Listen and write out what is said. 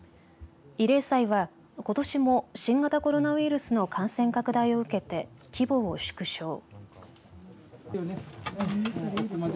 慰霊祭は、ことしも新型コロナウイルスの感染拡大を受けて規模を縮小。